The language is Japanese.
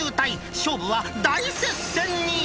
勝負は大接戦に。